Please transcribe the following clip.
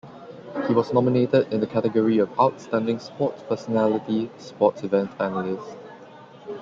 He was nominated in the category of Outstanding Sports Personality, Sports Event Analyst.